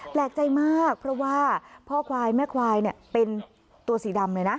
แปลกใจมากเพราะว่าพ่อควายแม่ควายเป็นตัวสีดำเลยนะ